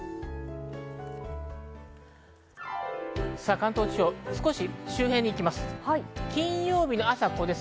関東地方、少し周辺を見ます。